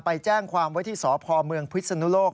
ไปแจ้งความเวทย์สอบคอเมืองพฤษนุโรค